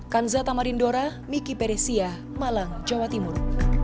kanza tamarindora miki peresia malang jawa timur